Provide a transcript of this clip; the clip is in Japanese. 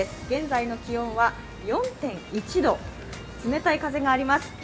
現在の気温は４．１度、冷たい風があります。